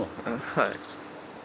はい。